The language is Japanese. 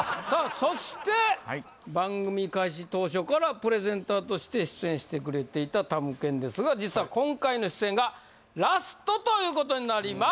そして番組開始当初からプレゼンターとして出演してくれていたたむけんですが実はということになります